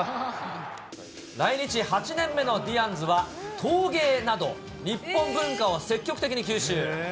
来日８年目のディアンズは、陶芸など、日本文化を積極的に吸収。